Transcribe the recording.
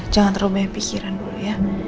jangan terlalu banyak pikiran dulu ya